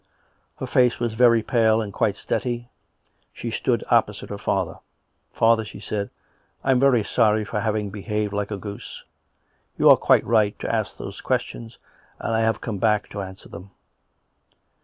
Her face was very pale and quite steady. She stood opposite her father. " Father," she said, " I am very sorry for having be haved like a goos'e. You were quite right to ask those questions, and I have come back to answer them."